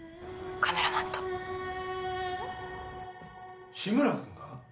カメラマンと志村君が？